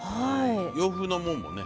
洋風のもんもね。